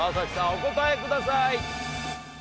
お答えください。